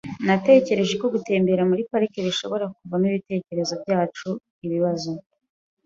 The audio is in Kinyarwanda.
Natekereje ko gutembera muri parike bishobora kuvanamo ibitekerezo byacu ibibazo.